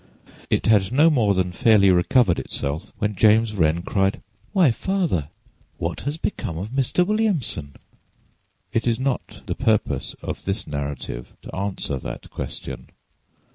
It had no more than fairly recovered itself when James Wren cried: "Why, father, what has become of Mr. Williamson?" It is not the purpose of this narrative to answer that question.